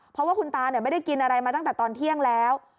เพราะว่าคุณตาไม่ได้กินอะไรมาตั้งแต่ตอนเที่ยงแล้ว